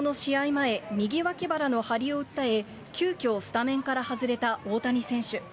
前、右脇腹の張りを訴え、急きょスタメンから外れた大谷選手。